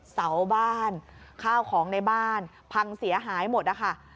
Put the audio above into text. เสาบ้านข้าวของในบ้านพังเสียหายหมดนะคะ